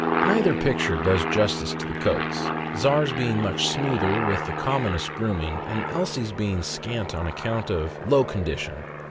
Neither picture does justice to the coats; Czar's being much smoother, with the com monest grooming, and Elsie's being scant on account of low condition.